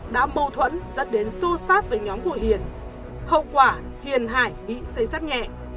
đã mâu thuẫn dẫn đến xô sát với nhóm của hiền hậu quả hiền hải bị xây sát nhẹ